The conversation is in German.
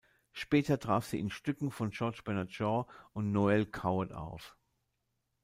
Später trat sie in Stücken von George Bernard Shaw und Noël Coward auf.